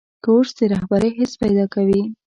کورس د رهبرۍ حس پیدا کوي.